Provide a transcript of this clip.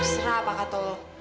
serah pak kato